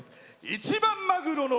「一番マグロの謳」。